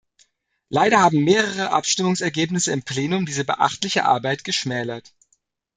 Leider haben mehrere Abstimmungsergebnisse im Plenum diese beachtliche Arbeit geschmälert.